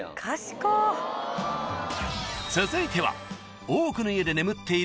［続いては］